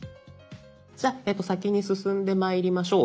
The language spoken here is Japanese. じゃあ先に進んでまいりましょう。